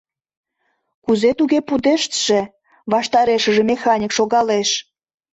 — Кузе туге пудештше?! — ваштарешыже механик шогалеш.